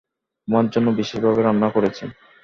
তোমার জন্য বিশেষভাবে রান্না করেছি।